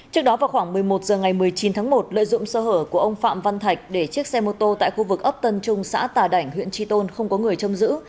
trước đó vào khoảng một mươi một h ngày một mươi chín tháng một lợi dụng sơ hở của ông phạm văn thạch để chiếc xe mô tô tại khu vực ấp tân trung xã tà đảnh huyện tri tôn không có người chông giữ